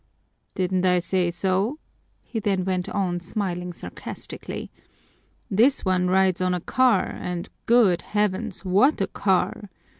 "Didn't I say so?" he then went on, smiling sarcastically. "This one rides on a ear, and, good Heavens, what a car!